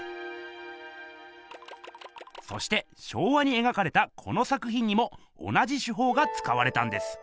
そして昭和に描かれたこの作ひんにも同じ手ほうがつかわれたんです。